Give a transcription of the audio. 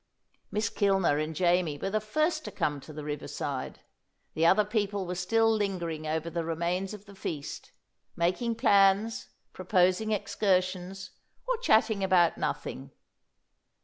Miss Kilner and Jamie were the first to come to the river side. The other people were still lingering over the remains of the feast, making plans, proposing excursions, or chatting about nothing.